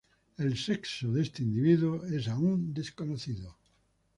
El sexo de este individuo es aún desconocido.